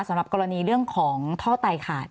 สำหรับกรณีเรื่องของท่อไตขาด